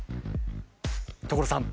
所さん！